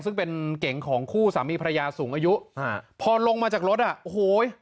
ซึ่งเป็นเก๋งของคู่สามีภรรยาสูงอายุอ่าพอลงมาจากรถอ่ะโอ้โห